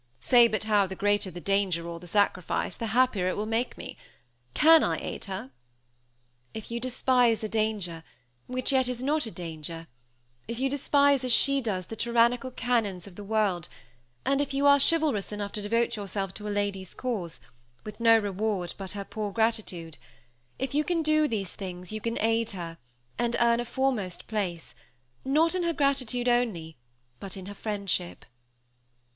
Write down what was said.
Say but how the greater the danger or the sacrifice, the happier will it make me. Can I aid her?" "If you despise a danger which, yet, is not a danger; if you despise, as she does, the tyrannical canons of the world; and if you are chivalrous enough to devote yourself to a lady's cause, with no reward but her poor gratitude; if you can do these things you can aid her, and earn a foremost place, not in her gratitude only, but in her friendship."